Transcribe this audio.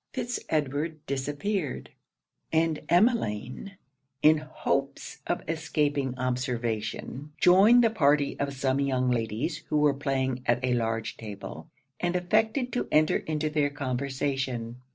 Fitz Edward disappeared; and Emmeline, in hopes of escaping observation, joined the party of some young ladies who were playing at a large table, and affected to enter into their conversation.